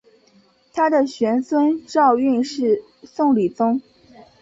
他的玄孙赵昀是宋理宗。